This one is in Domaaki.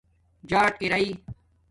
جاٹ رائئ